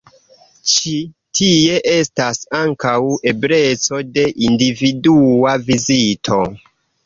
Ĉi tie estas ankaŭ ebleco de individua vizito.